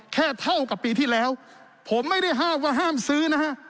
เท่ากับปีที่แล้วผมไม่ได้ห้ามว่าห้ามซื้อนะฮะ